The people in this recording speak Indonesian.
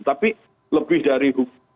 tapi lebih dari